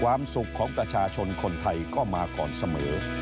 ความสุขของประชาชนคนไทยก็มาก่อนเสมอ